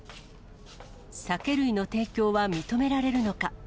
酒類の提供は認められるのか。